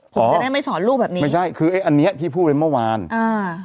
ผมจะได้ไม่สอนลูกแบบนี้ไม่ใช่คือไอ้อันเนี้ยที่พูดไว้เมื่อวานอ่า